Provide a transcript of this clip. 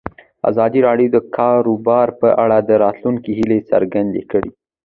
ازادي راډیو د د کار بازار په اړه د راتلونکي هیلې څرګندې کړې.